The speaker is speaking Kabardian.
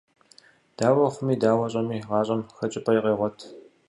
Дауэ хъуми, дауэ щӏэми, гъащӏэм хэкӏыпӏэ къегъуэт.